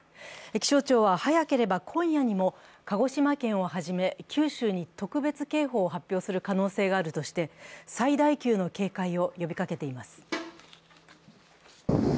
気象庁は、早ければ今夜にも鹿児島県をはじめ、九州に特別警報を発表する可能性があるとして、最大級の警戒を呼びかけています。